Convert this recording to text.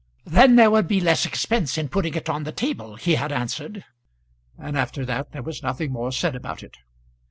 "Then there would be less expense in putting it on the table," he had answered; and after that there was nothing more said about it.